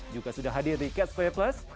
juga sudah hadir di catch play plus